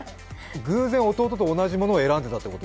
偶然、弟と同じものを選んでたということ？